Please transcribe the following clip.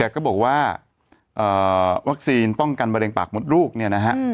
ก็บอกว่าวัคซีนป้องกันมะเร็งปากมดลูกเนี่ยนะฮะ